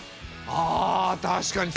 ああ確かに！